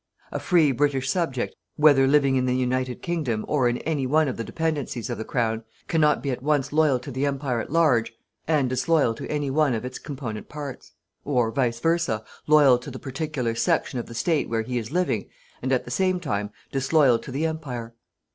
A free British subject, whether living in the United Kingdom, or in any one of the Dependencies of the Crown, cannot be at once loyal to the Empire at large and disloyal to any of its component parts; or, vice versa, loyal to the particular section of the State where he is living and at the same disloyal to the Empire.